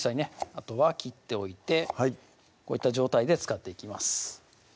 あとは切っておいてこういった状態で使っていきます